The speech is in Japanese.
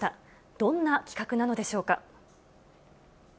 どんな規格なのでしょうか。